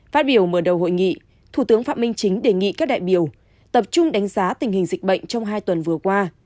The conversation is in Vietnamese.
phát biểu mở đầu hội nghị thủ tướng phạm minh chính đề nghị các đại biểu tập trung đánh giá tình hình dịch bệnh trong hai tuần vừa qua